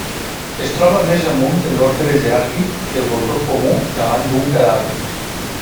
Es troba més amunt en l'ordre jeràrquic que el voltor comú davant d'un cadàver.